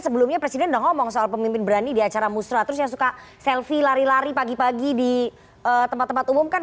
berani di acara musra terus yang suka selfie lari lari pagi pagi di tempat tempat umum kan